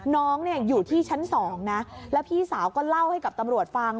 น้องเนี่ยอยู่ที่ชั้น๒นะแล้วพี่สาวก็เล่าให้กับตำรวจฟัง